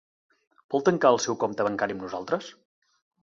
Vol tancar el seu compte bancari amb nosaltres?